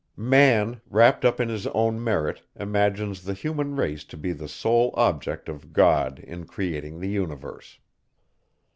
Man, wrapped up in his own merit, imagines the human race to be the sole object of God in creating the universe.